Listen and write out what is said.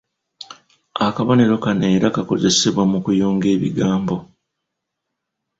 Akabonero kano era kakozesebwa mu kuyunga ebigambo.